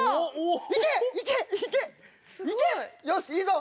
よしいいぞ！